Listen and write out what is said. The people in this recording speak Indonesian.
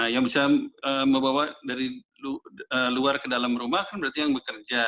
yang bisa membawa dari luar ke dalam rumah kan berarti yang bekerja